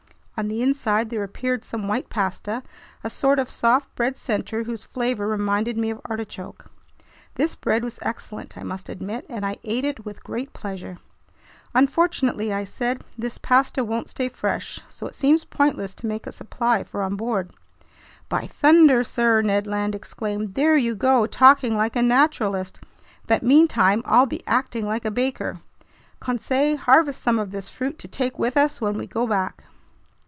On the inside there appeared some white pasta, a sort of soft bread center whose flavor reminded me of artichoke. This bread was excellent, I must admit, and I ate it with great pleasure. "Unfortunately," I said, "this pasta won't stay fresh, so it seems pointless to make a supply for on board." "By thunder, sir!" Ned Land exclaimed. "There you go, talking like a naturalist, but meantime I'll be acting like a baker! Conseil, harvest some of this fruit to take with us when we go back."